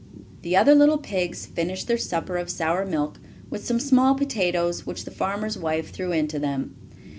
The other little pigs finished their supper of sour milk, with some small potatoes which the farmer's wife threw in to them.